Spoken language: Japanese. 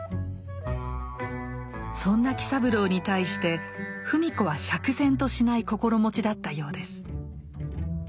そんな喜三郎に対して芙美子は釈然としない心持ちだったようです。